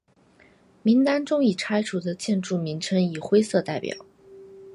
名单中已拆除的建筑名称以灰色表示。